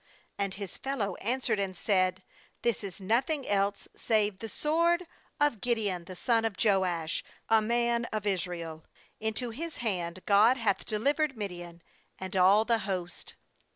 7 14And his fellow answered and said 'This is nothing else save the sword of Gideon the son of Joash, a man of Israel* into his hand God hath delivered Midian, and all the host.'